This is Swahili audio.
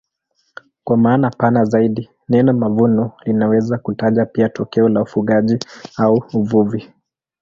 Kwa maana pana zaidi neno mavuno linaweza kutaja pia tokeo la ufugaji au uvuvi.